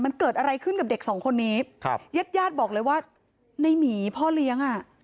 มันเกิดอะไรขึ้นกับเด็กสองคนนี้ครับญาติญาติบอกเลยว่าในหมีพ่อเลี้ยงอ่ะ